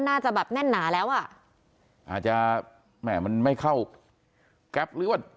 น่าจะแบบแน่นหนาแล้วอ่ะอาจจะแหม่มันไม่เข้าแก๊ปหรือว่า